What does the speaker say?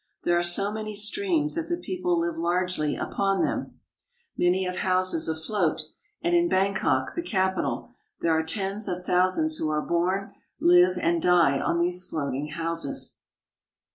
There are so many streams that the people live largely upon them. Many have houses afloat, and in Bangkok, the capital, there are tens of thousands who are born, live, and die on these floating houses.